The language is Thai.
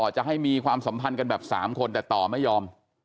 จะให้มีความสัมพันธ์กันแบบ๓คนแต่ต่อไม่ยอม